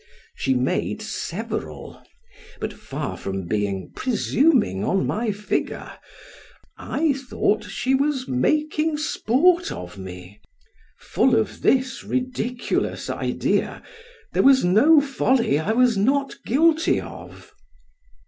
She made several, but far from being presuming on my figure, I thought she was making sport of me: full of this ridiculous idea there was no folly I was not guilty of.